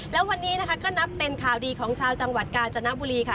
แล้ววันนี้นะคะก็นับเป็นข่าวดีของชาวจังหวัดกาญจนบุรีค่ะ